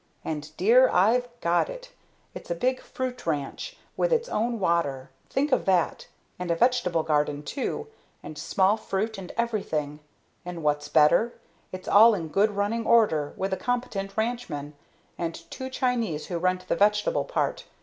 And, dear I've got it! It's a big fruit ranch, with its own water think of that! And a vegetable garden, too, and small fruit, and everything. And, what's better, it's all in good running order, with a competent ranchman, and two Chinese who rent the vegetable part.